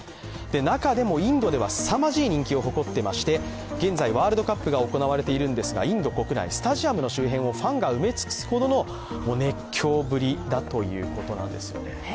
中でもインドではすさまじい人気を誇っていまして、現在、ワールドカップが行われていますがインド国内、スタジアムの周辺をファンが埋め尽くすほどの熱狂ぶりだということなんです。